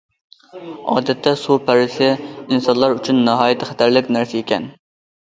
ئادەتتە سۇ پەرىسى ئىنسانلار ئۈچۈن ناھايىتى خەتەرلىك نەرسە ئىكەن.